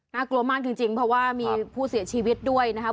กลัวมากจริงเพราะว่ามีผู้เสียชีวิตด้วยนะครับ